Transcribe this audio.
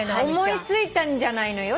思いついたんじゃないのよ。